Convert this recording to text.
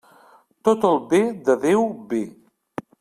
Tot el bé de Déu ve.